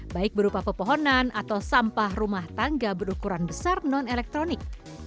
baik berupa pepohonan atau sampah rumah tangga berukuran besar non elektronik